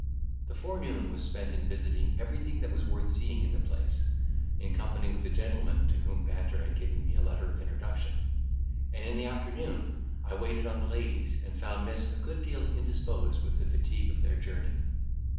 The forenoon was spent in visiting everything that was worth seeing in the place, in company with a gentleman to whom Banter had given me a letter of introduction; and in the afternoon I waited on the ladies, and found Miss a good deal indisposed with the fatigue of their journey.